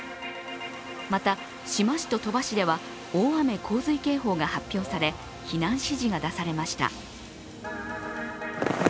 また、志摩市と鳥羽市では大雨洪水警報が発表され避難指示が出されました。